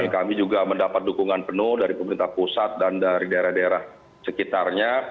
kami juga mendapat dukungan penuh dari pemerintah pusat dan dari daerah daerah sekitarnya